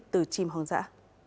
từ chim hoang dã